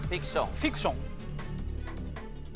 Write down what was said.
フィクション。